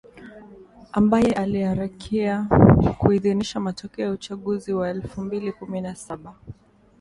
ambaye aliharakia kuidhinisha matokeo ya uchaguzi wa elfu mbili kumi na saba